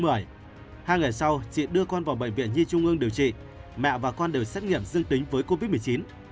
hai ngày sau chị đưa con vào bệnh viện nhi trung ương điều trị mẹ và con đều xét nghiệm dương tính với covid một mươi chín